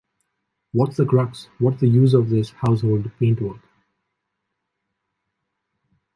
What’s the crux, what’s the use of this household paintwork?